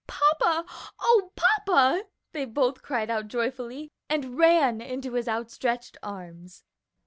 "Papa! O papa!" they both cried out joyfully, and ran into his outstretched arms.